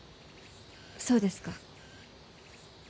そうですか。